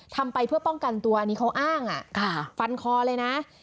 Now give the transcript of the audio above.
ทำไปเพื่อป้องกันตัวอันนี้เขาอ้างฟันคอเลยนะ